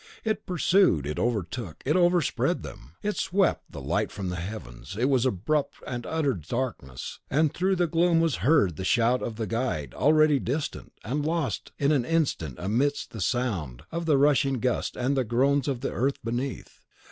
It pursued, it overtook, it overspread them. It swept the light from the heavens. All was abrupt and utter darkness; and through the gloom was heard the shout of the guide, already distant, and lost in an instant amidst the sound of the rushing gust and the groans of the earth beneath.